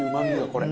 これ。